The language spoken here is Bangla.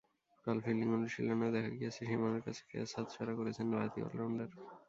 কাল ফিল্ডিং অনুশীলনেও দেখা গিয়েছে সীমানার কাছে ক্যাচ হাতছাড়া করেছেন বাঁহাতি অলরাউন্ডার।